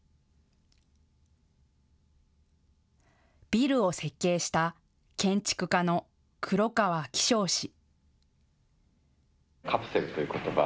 ビルを設計した建築家の黒川紀章氏。